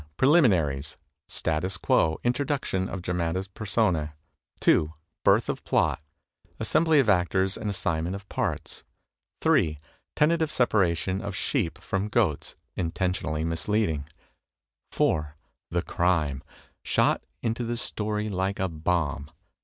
Preliminaries. Status quo. Introduction of dramatis personae. 2. Birth of Plot. Assembly of actors and assignment of parts. 3. Tentative separation of sheep from goats, intentionally misleading. 4. The Crime, — shot into the story like a bomb.